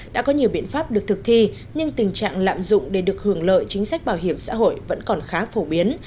đã có nhiều biện pháp được thực thi nhưng tình trạng lạm dụng để được hưởng lợi chính sách bảo hiểm xã hội vẫn còn khá phổ biến